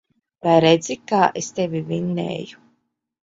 Vai redzi, kā es tevi vinnēju.